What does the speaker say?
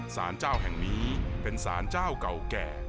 สารเจ้าแห่งนี้เป็นสารเจ้าเก่าแก่